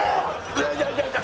いやいやいやいや。